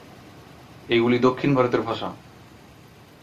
এইগুলি দক্ষিণ ভারতের ভাষা।